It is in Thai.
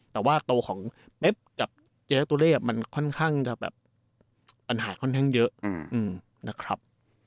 แต่ว่าตัวของเป๊บกับเจ๊ตัวเลขมันค่อนข้างจะแบบปัญหาค่อนข้างเยอะนะครับ